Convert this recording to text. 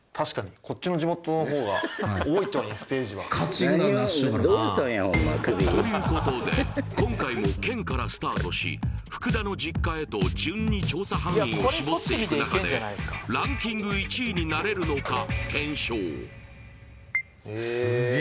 Ｕ字工事１番とはなということで今回も県からスタートし福田の実家へと順に調査範囲を絞っていく中でランキング１位になれるのか検証